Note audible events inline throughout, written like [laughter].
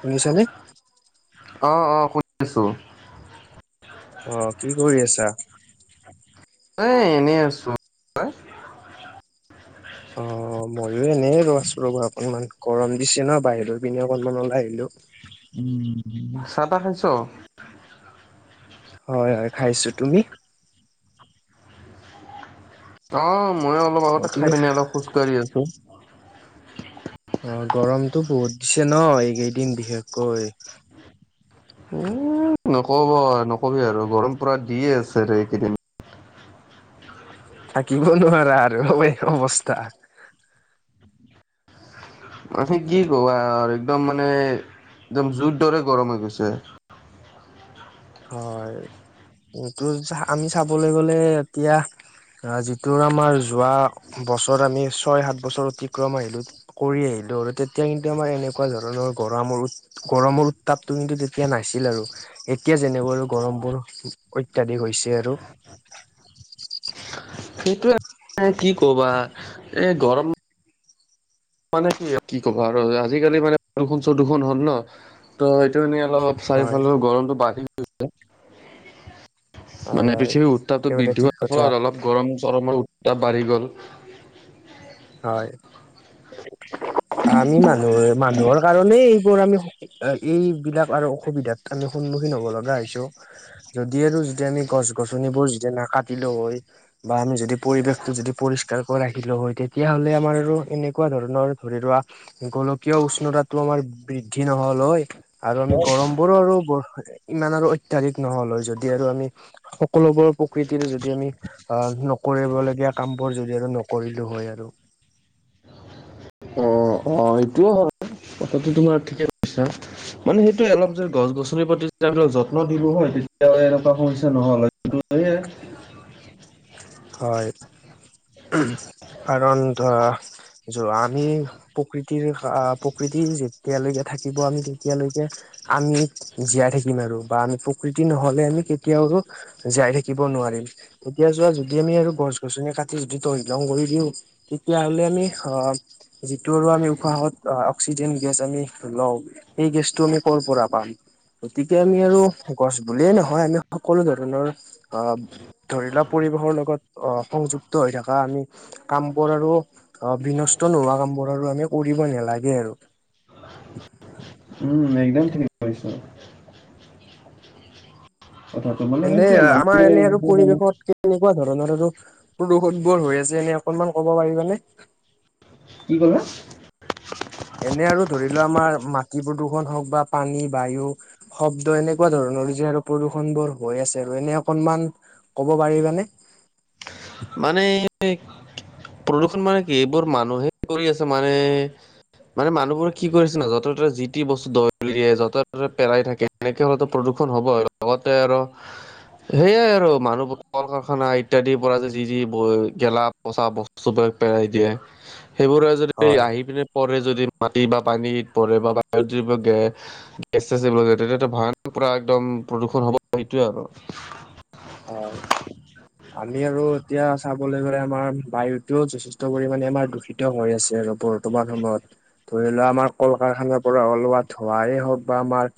শুনিছানে অ অ শুনি আছোঁ অ কি কৰি আছা? এই এনেই আছোঁ অ মইয়ো এনেই ৰ আছো ৰ'বা অকণমান গৰম দিছে ন বাহিৰৰ পিনে অকনমান ওলাই আহিলো উ চাহ তাহ খাইছ? হয় হয় খাইছো তুমি? অ মই অলপ অ' আগতে খাই তুমি পিনে অলপ খোজকাঢ়ি আছোঁ। অ গৰমটো বহুত দিছে ন এইকেইদিন বিশেষকৈ এ নকব -নকবি আৰু গৰম পুৰা দিয়ে আছেৰে এইকেইদিন। থাকিবই নোৱাৰা আৰু অবে অৱস্থা। মানে কি ক'বা আৰু একদম মানে একদম জুইৰ দৰে গৰম হৈ গৈছে। হয় এইটো যাহ আমি চাবলৈ গ'লে এতিয়া আহ, যিটো আমাৰ যোৱা বছৰ আমি ছয়, হাত বছৰ অতিক্ৰম আহিলোঁ কৰি আহিলোঁ আৰু তেতিয়া কিন্তু আমাৰ এনেকুৱা ধৰণৰ গৰম গৰমৰ উত্তাপটো কিন্তু তেতিয়া নাছিল আৰু এত এতিয়া যেনেকৈ আৰু গৰম বোৰ অত্যাধিক হৈছে আৰু সেইটোৱেই [unintelligible] কি ক'বা এ গৰম মানে কি -কি ক'বা আৰু আজিকালি মানে প্ৰদুষণ - চদুষণ হ'ল ন' ত'এইটো এনে অলপ হয় চাৰিওফালৰ গৰমটো বাঢ়ি গৈছে। হয় মানে হয় পৃথিৱীৰ উত্তাপটো একেবাৰে বৃদ্ধি ঠিক হোৱাৰ কথা ফলত অলপ গৰম চৰমৰ উত্তাপ বাঢ়ি গ'ল। হয়। [unintelligible] আমি মানুহ হৈ মানুহৰ কাৰণেই এইবোৰ আমি এইবিলাক আৰু অসুবিধাত আমি সন্মুখীন হ'ব লগা হৈছোঁ যদি আৰু যদি আমি গছ -গছনিবোৰ যেতিয়া নাকাটিলো হয় বা আমি যদি পৰিৱেশ টো যদি পৰিস্কাৰকৈ ৰাখিলো হয় তেতিয়া হ'লে আমাৰ আৰু এনেকুৱা ধৰণ নৰ ধৰি ৰোৱা গোলকীয় উষ্ণতাটো আমাৰ বৃদ্ধি নহ'ল হয় আৰু আমি গৰম বোৰো আৰু বৰ ইমান আৰু অত্যাধিক নহ'ল হয় যদি আৰু আমি সকলোবোৰ প্ৰকৃতিৰ যদি আমি আহ, নকৰিবলগীয়া কাম বোৰ যদি আৰু নকৰিলোঁ হয় আৰু। অ', অ', এইটোও হয় কথাটো তোমাৰ ঠিকে কৈছা। মানে সেইটোৱে অলপ যদি গছ -গছনিৰ প্ৰতি অলপ যেতিয়া যত্ন দিলো হয় তেতিয়া মানে এনেকুৱা সমস্যা নহ' ল হয়। [unintelligible] হয় কাৰণ ধৰা যোৱা আমি প্ৰকৃতিৰ খা প্ৰকৃতি যেতিয়ালৈকে থাকিব আমি তেতিয়ালৈকে আমি জীয়াই থাকিম আৰু বা আমি প্ৰকৃতি নহলে আমি কেতিয়াও টো জীয়াই থাকি থাকিব নোৱাৰিম এতিয়া যোৱা যদি আমি আৰু গছ -গছনি কাটি যদি তহিলং কৰি দিওঁ তেতিয়াহ'লে আমি আহ যিটো আৰু আমি উশাহত অহ, অক্সিজেন গেছ আমি লওঁ এই গেছটো আমি কৰ পৰা পাম? গতিকে আমি আৰু গছ বুলিয়ে নহয় আমি সকলো ধৰণৰ অ ধৰি লোৱা পৰিৱেশৰ লগত অ, সংযুক্ত হৈ থকা আমি কাম বোৰ আৰু অ, বিনষ্ট নোহোৱা কাম বোৰ আৰু আমি কৰিবই নালাগে আৰু। উম, একদম ঠিক কৈছ। কথাটো মানে এনে সেইটোয়ে আমাৰ মানুহে এনে আৰু পৰিৱেশত এনেকুৱা ধৰণৰ আৰু প্ৰদূষণ বোৰ হৈ আছে এনে অকনমান ক'ব পাৰিবানে? কি ক'লা? এনে আৰু ধৰি লোৱা আমাৰ মাটি প্ৰদূষণ হওক বা পানী, বায়ু শব্দ এনেকুৱা ধৰণৰ যে আৰু প্ৰদূষণ বোৰ হৈ আছে আৰু এনে অকনমান ক'ব পাৰিবানে? মানে প্ৰদূষণ মানে কি এইবোৰ মানুহে কৰি আছে মানে মানে মানুহবোৰে কি কৰিছে না য'তে - ততে যি তি বস্তু দলিয়াই য'তে -ত'তে পেলাই থাকে। এনেকে হ'লেতো প্ৰদূষণ হ'ব আৰু লগতে আৰু সেয়াই আৰু মানুহবোৰ ক'ল -কাৰখানা ইত্যাদিৰ পৰা যে যি -যি বই গেলা- পচা বস্তুবিলাক পেলাই দিয়ে সেইবোৰে যদি হয়। আহি পিনে পৰে যদি মাটি বা পানীত পৰে বা [unintelligible] গেছ- চেছ এইবিলাক [unintelligible] পুৰা একদম প্ৰদূষণ হ'ব সিটোয়ে আৰু। হয়। আমি আৰু এতিয়া চাবলৈ গ'লে আমাৰ বায়ুতও যথেষ্ট পৰিমাণে আমাৰ দূষিত হৈ আছে আৰু বৰ্তমান সময়ত। ধৰি লোৱা আমাৰ কল-কাৰখানাৰ পৰা অলোৱা ধোঁৱায়েই হওঁক বা আমাৰ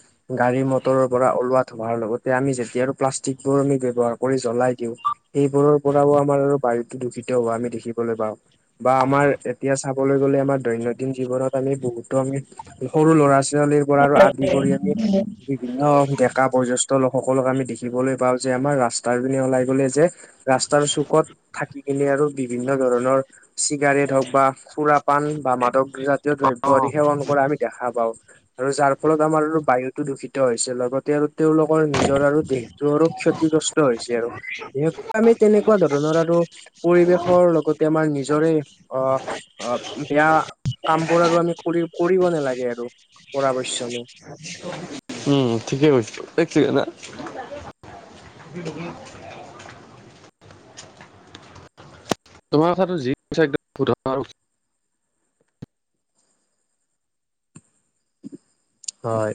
গাড়ী মটৰ পৰা ওলোৱা ধোৱাৰ লগতে আমি যেতিয়া আৰু প্লাষ্টিক বোৰ আমি ব্যৱহাৰ কৰি জ্বলাই দিও সেইবোৰৰ পৰাও আমাৰ আৰু বায়ু দূষিত হোৱা আমি দেখিবলৈ পাওঁ। বা আমাৰ এতিয়া চাবলৈ গ'লে আমাৰ দৈনন্দিন জীৱনত আমি বহুতো আমি সৰু ল'ৰা ছোৱালীৰ পৰা আদি কৰি আমি বিভিন্ন ডেকা বয় জেষ্ঠ লোকসকলক আমি দেখিবলৈ পাওঁ যে আমাৰ ৰাস্তাৰ পিনে ওলাই গলে যে ৰাস্তাৰ চুকত থাকি কিনে আৰু বিভিন্ন ধৰণৰ চিগাৰেট হওক বা সুৰা পান বা মাদক জাতীয় দ্ৰব্য আদি অ'। সেৱন কৰা আমি দেখা পাওঁ আৰু যাৰ ফলত আমাৰ আৰু বায়ুতটো দূষিত হৈছে লগতে আৰু তেওঁলোকৰ নিজৰ আৰু দেহটোৰো ক্ষতিগ্ৰস্ত হৈছে আৰু বিশেষকৈ আমি তেনেকুৱা ধৰণৰ আৰু পৰিৱেশৰ লগতে আমাৰ নিজৰে অ অ বেয়া কাম বোৰ আৰু আমি কৰি কৰিব নালাগে আৰু পৰা পৰাপক্ষলৈ। উম ঠিকেই কৈছ, এক ছেকেণ্ড হা। [unintelligible] তোমাৰ কথাটো যি একদম হয়।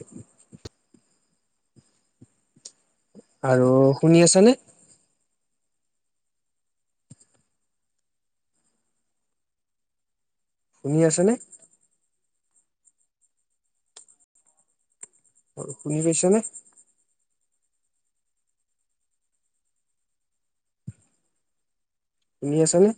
আৰু শুনি আছা নে? শুনি আছেনে? অ শুনি পাইছে নে? শুনি আছানে?